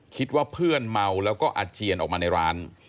คิดว่าเพื่อนเมาแล้วก็อาเจียนออกมาในร้าน